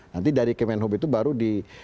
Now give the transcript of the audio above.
nanti dari kemenhub itu baru di